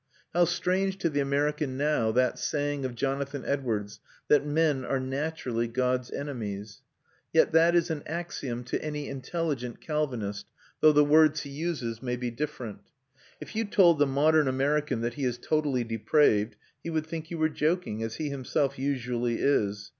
How strange to the American now that saying of Jonathan Edwards, that men are naturally God's enemies! Yet that is an axiom to any intelligent Calvinist, though the words he uses may be different. If you told the modern American that he is totally depraved, he would think you were joking, as he himself usually is.